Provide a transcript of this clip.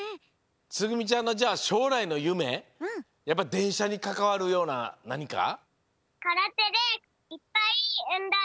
つぐみちゃんのじゃあしょうらいのゆめやっぱでんしゃにかかわるようななにか？